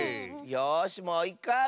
よしもういっかい！